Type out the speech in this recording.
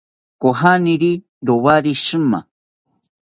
Kojaniri rowari shima